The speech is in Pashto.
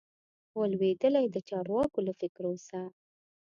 وه لوېدلي د چارواکو له فکرو سه